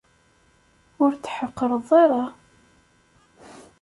Ur t-tḥeqqreḍ ara.